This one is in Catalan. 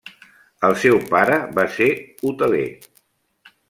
El seu pare va ser hoteler.